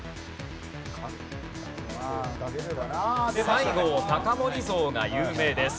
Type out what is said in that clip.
西郷隆盛像が有名です。